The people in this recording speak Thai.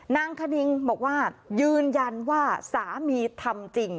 คณิงบอกว่ายืนยันว่าสามีทำจริง